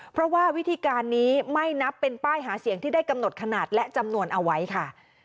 เพราะว่าวิธีการนี้ไม่นับเป็นป้ายหาเสียงที่ได้กำหนดขนาดและจำนวนเอาไว้ค่ะ